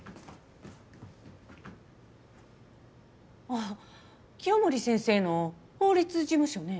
あっ清守先生の法律事務所ね。